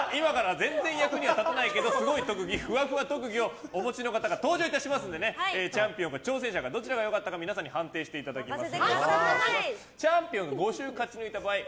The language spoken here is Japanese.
今から全然役には立たないけどすごい特技ふわふわ特技をお持ちの方が登場いたしますのでチャンピオンか挑戦者かどちらが良かったか皆さんに判定していただきます。